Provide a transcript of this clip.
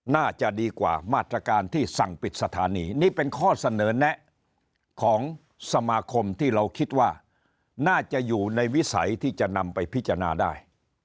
น่าจะดีกว่ามาตรการที่สั่งปิดสถานีนี่เป็นข้อเสนอแนะของสมาคมที่เราคิดว่าน่าจะอยู่ในวิสัยที่จะนำไปพิจารณาได้